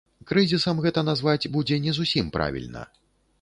Крызісам гэта назваць будзе не зусім правільна.